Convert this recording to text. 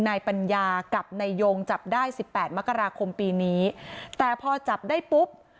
นายปัญญากับนายยงจับได้สิบแปดมกราคมปีนี้แต่พอจับได้ปุ๊บ